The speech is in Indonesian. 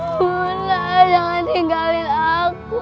muna jangan tinggalin aku